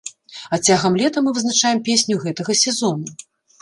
А цягам лета мы вызначаем песню гэтага сезону.